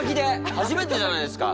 初めてじゃないですか？